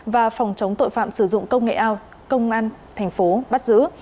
và phòng chống tội phạm sử dụng công nghệ ao công an tp bắt giữ